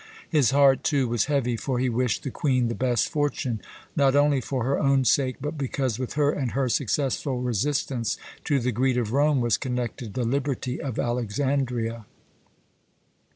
His heart, too, was heavy, for he wished the Queen the best fortune, not only for her own sake, but because with her and her successful resistance to the greed of Rome was connected the liberty of Alexandria.